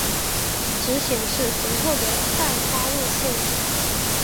只显示随后的待发线路。